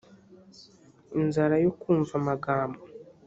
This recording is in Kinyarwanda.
inzara yo kumva amagambo